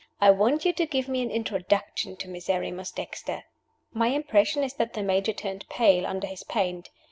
"I want you to give me an introduction to Miserrimus Dexter." My impression is that the Major turned pale under his paint.